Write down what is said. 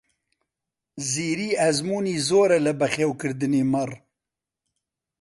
زیری ئەزموونی زۆرە لە بەخێوکردنی مەڕ.